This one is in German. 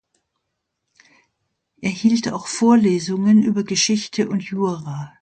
Er hielt auch Vorlesungen über Geschichte und Jura.